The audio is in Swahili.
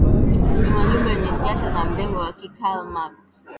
Ni wajumbe wenye siasa za mrengo wa ki Karl Marx